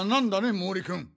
毛利君。